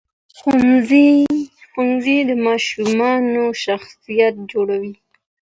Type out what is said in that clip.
ښوونځی د ماشومانو شخصیت جوړوي.